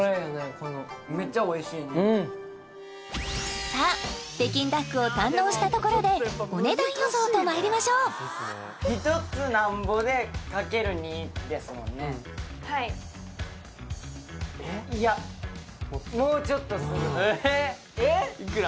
このめっちゃおいしいねうんさあ北京ダックを堪能したところでお値段予想とまいりましょう１つなんぼで掛ける２ですもんねいやえーっいくら？